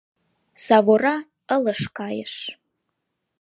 Савора ылыж кайыш.